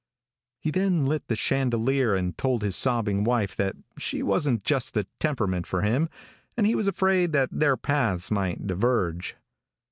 He then lit the chandelier and told his sobbing wife that she wasn't just the temperament for him and he was afraid that their paths might diverge.